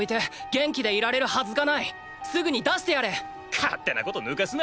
勝手なことぬかすな！